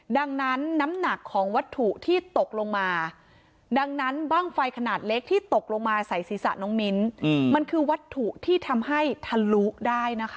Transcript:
ดังนั้นน้ำหนักของวัตถุที่ตกลงมาดังนั้นบ้างไฟขนาดเล็กที่ตกลงมาใส่ศีรษะน้องมิ้นมันคือวัตถุที่ทำให้ทะลุได้นะคะ